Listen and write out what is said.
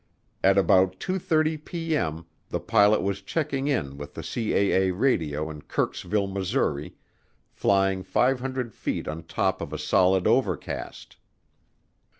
At about 2:30P.M. the pilot was checking in with the CAA radio at Kirksville, Missouri, flying 500 feet on top of a solid overcast.